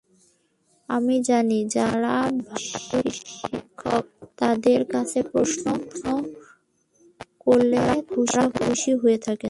আমরা জানি, যাঁরা ভালো শিক্ষক, তাঁদের কাছে প্রশ্ন করলে তাঁরা খুশি হয়ে থাকেন।